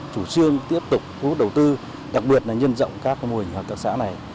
chủ trương tiếp tục thu hút đầu tư đặc biệt là nhân rộng các mô hình hợp tác xã này